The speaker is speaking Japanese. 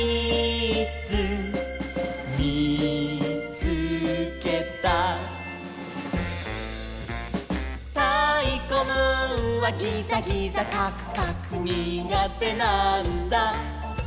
つけた」「たいこムーンはギザギザカクカクにがてなんだ」